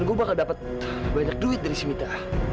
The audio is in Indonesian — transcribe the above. dan gue bakal dapet banyak duit dari si mita